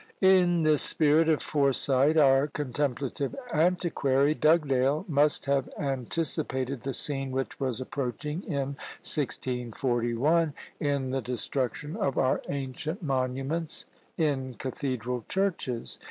In this spirit of foresight our contemplative antiquary Dugdale must have anticipated the scene which was approaching in 1641, in the destruction of our ancient monuments in cathedral churches.